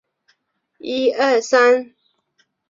日本偏口蛤是偏口蛤科偏口蛤属的一种。